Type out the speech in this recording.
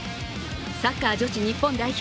サッカー女子日本代表